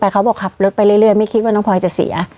แต่เขาบอกขับรถไปเรื่อยไม่คิดว่าน้องพลอยจะเสีย